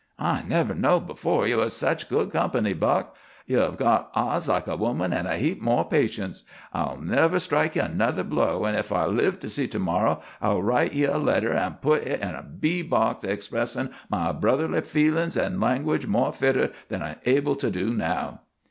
"I never knowed before ye was sech good company, Buck. You've got eyes like a woman, an' a heap more patience. I'll never strike ye another blow, an' if I live to see to morrow I'll write ye a letter, an' put hit in B box, expressin' my brotherly feelin's in language more fitter than I'm able to do now."